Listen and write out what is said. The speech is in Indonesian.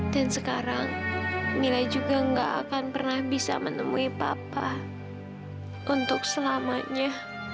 dan sekarang mila juga gak akan pernah bisa menemui papa untuk selamanya